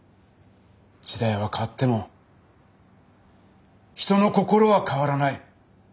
時代は変わっても人の心は変わらない。